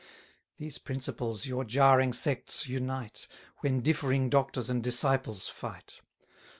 These principles your jarring sects unite, When differing doctors and disciples fight.